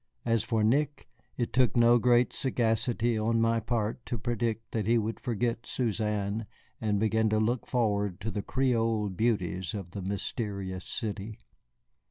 As for Nick, it took no great sagacity on my part to predict that he would forget Suzanne and begin to look forward to the Creole beauties of the Mysterious City.